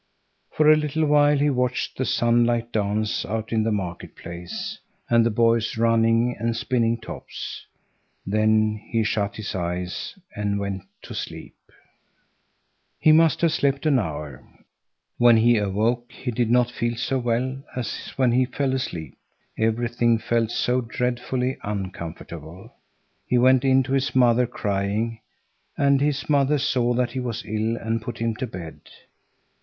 For a little while he watched the sunlight dance out in the market place and the boys running and spinning tops—then he shut his eyes and went to sleep. He must have slept an hour. When he awoke he did not feel so well as when he fell asleep; everything felt so dreadfully uncomfortable. He went in to his mother crying, and his mother saw that he was ill and put him to bed.